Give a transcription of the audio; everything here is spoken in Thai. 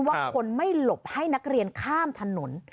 ว่าคนไม่หลบให้นักเรียนข้ามถนน